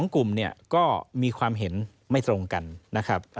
๒กลุ่มเนี่ยก็มีความเห็นไม่ตรงกันนะครับ